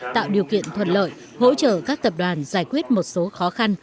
tạo điều kiện thuận lợi hỗ trợ các tập đoàn giải quyết một số khó khăn